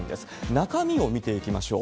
中身を見ていきましょう。